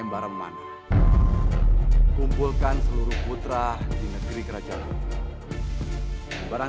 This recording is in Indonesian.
perempuan itu pasti suli kan